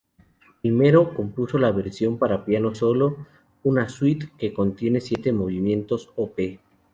Primero compuso la versión para piano solo, una suite que contiene siete movimientos, Op.